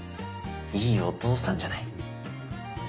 いいお父さんじゃない。